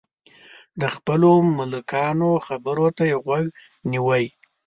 د خپلو ملکانو خبرو ته یې غوږ نیوی.